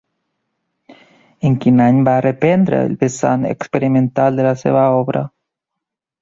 En quin any va reprendre el vessant experimental de la seva obra?